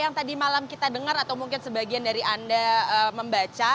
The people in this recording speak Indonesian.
yang tadi malam kita dengar atau mungkin sebagian dari anda membaca